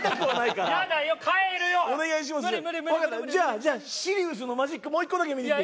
じゃあシリウスのマジックもう１個だけ見てみて。